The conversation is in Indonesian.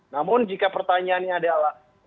namun jika pertanyaannya adalah